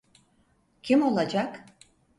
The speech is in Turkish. Kim olacak?